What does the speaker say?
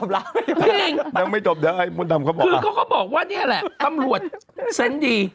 ดรเซนต์ดีวิชาอาชาราชนิด